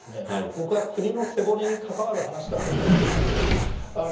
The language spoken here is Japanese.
僕は国の背骨に関わる話だと思っています。